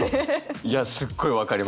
いやすっごい分かりますね。